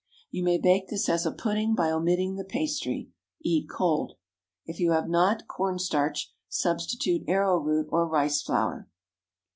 You may bake this as a pudding by omitting the pastry. Eat cold. If you have not corn starch, substitute arrow root or rice flour.